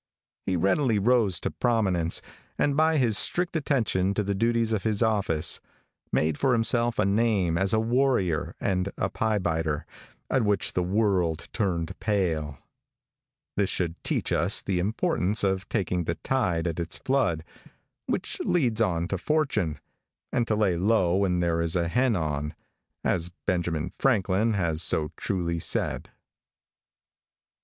He readily rose to prominence, and by his strict attention to the duties of his office, made for himself a name as a warrior and a pie biter, at which the world turned pale. This should teach us the importance of taking the tide at its flood, which leads on to fortune, and to lay low when there is a hen on, as Benjamin Franklin has so truly said.